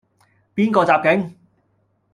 邊個襲警?